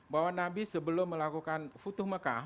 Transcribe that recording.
bahwa nabi sebelum melakukan futuh mekah